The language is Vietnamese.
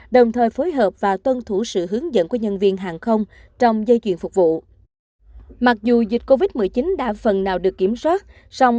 đồng thời phối hợp và tuân thủ sự hướng